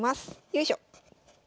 よいしょ。